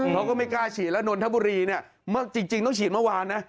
เขาก็ไม่กล้าฉีดแล้วนนทบุรีเนี่ยจริงต้องฉีดเมื่อวานนะ